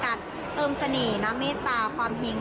ความหีงความปังของตัวเอง